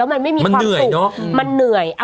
แล้วมันไม่มีความสุขมันเหนื่อยเนอะ